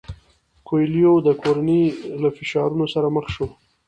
کویلیو د کورنۍ له فشارونو سره مخ شو.